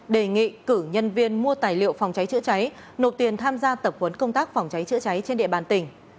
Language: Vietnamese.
đề nghị cử nhân viên mua tài liệu phòng trái trữ trái nộp tiền tham gia tập huấn công tác phòng trái trữ trái trên địa bàn tỉnh